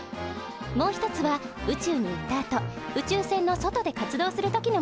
もう一つは宇宙に行ったあと宇宙船の外で活動する時のものです。